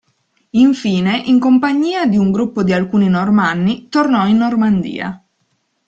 Infine in compagnia di un gruppo di alcuni Normanni tornò in Normandia.